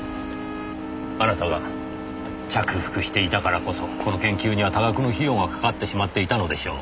あなたが着服していたからこそこの研究には多額の費用がかかってしまっていたのでしょう。